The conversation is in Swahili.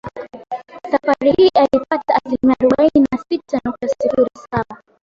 Safari hii alipata asilimia arobaini na sita nukta sifuri saba